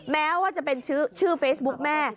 แม้ว่าจะเป็นชื่อเฟซบุ๊กแม่